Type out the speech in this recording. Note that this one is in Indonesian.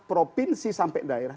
provinsi sampai daerah